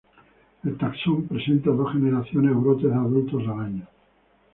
El taxón presenta dos generaciones o brotes de adultos al año.